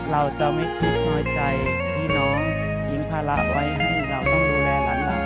เราจะไม่คิดโดยใจพี่น้องทิ้งภาระไว้ให้เราต้องดูแลหลาน